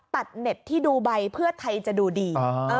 เน็ตที่ดูใบเพื่อไทยจะดูดี